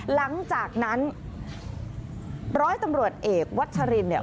หลังจากนั้นร้อยตำรวจเอกวัชรินเนี่ย